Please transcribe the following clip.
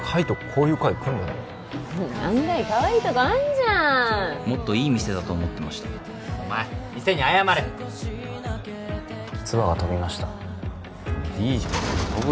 こういう会来んだね案外かわいいとこあんじゃんもっといい店だと思ってましたお前店に謝れツバが飛びましたいいじゃん